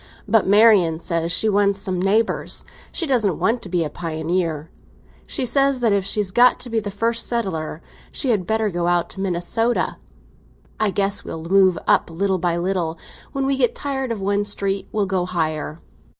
But Marian says she wants some neighbours—she doesn't want to be a pioneer. She says that if she's got to be the first settler she had better go out to Minnesota. I guess we'll move up little by little; when we get tired of one street we'll go higher.